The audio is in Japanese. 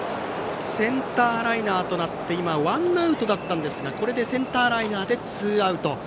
センターライナーとなってワンアウトだったんですがこれでセンターライナーでツーアウト。